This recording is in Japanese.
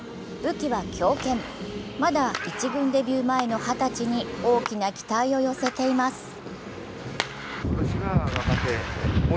武器は強肩、まだ１軍デビュー前の２０歳に大きな期待を寄せています。